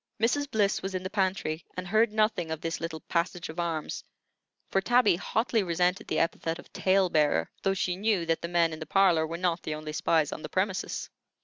Mrs. Bliss was in the pantry, and heard nothing of this little passage of arms; for Tabby hotly resented the epithet of "tale bearer," though she knew that the men in the parlor were not the only spies on the premises.